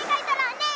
ねえ！